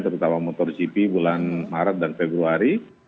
terutama motorgp bulan maret dan februari